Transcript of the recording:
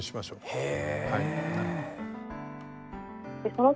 へえ。